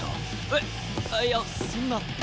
えっいやそんな。